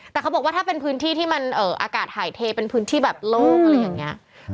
แต่เขาบอกว่าถ้าเป็นพื้นที่ที่มันอากาศหายเทเป็นพื้นที่แบบโล่งอะไรอย่างนี้